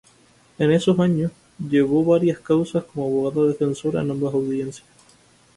En esos años, llevó varias causas como abogada defensora en ambas Audiencias.